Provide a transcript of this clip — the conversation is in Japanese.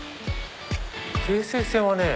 京成線はね